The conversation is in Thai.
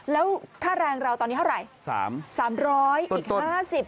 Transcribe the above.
แล้วค่าแรงเราตอนนี้เท่าไหร่๓๓๐๐อีก๕๐บาท